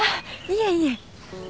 いえいえ。